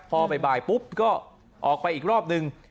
พอบ่ายปุ๊บก็ออกไปอีกรอบนึง